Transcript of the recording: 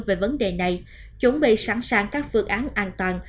về vấn đề này chuẩn bị sẵn sàng các phương án an toàn